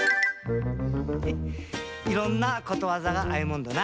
いろんなことわざがあいもんだな。